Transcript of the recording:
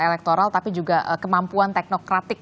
elektoral tapi juga kemampuan teknokratik